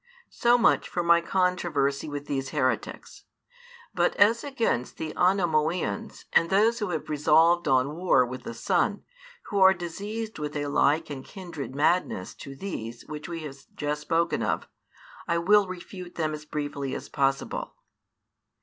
So much for my controversy with these heretics. But as against the Anomoeans and those who have resolved on war with the Son, who are diseased with a like and kindred madness to these which we have just spoken of, I will refute them as briefly as possible.